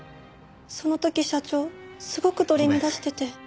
その時社長すごく取り乱してて。